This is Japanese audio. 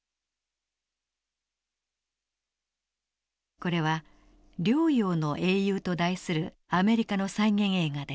これは「遼陽の英雄」と題するアメリカの再現映画です。